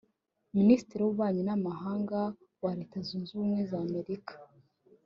minisitiri w’ububanyi n’amahanga wa Leta Zunze Ubumwe z’Amerika